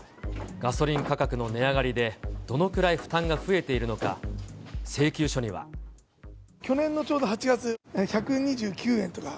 ガソリン価格の値上がりでどのくらい負担が増えているのか、去年のちょうど８月、１２９円とか。